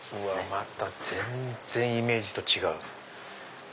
また全然イメージと違う。